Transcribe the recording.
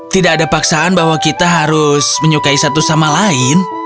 tidak ada paksaan bahwa kita harus menyukai satu sama lain